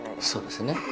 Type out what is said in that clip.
そうですね。